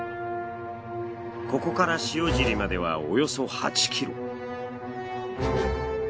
ここから塩尻まではおよそ８ｋｍ。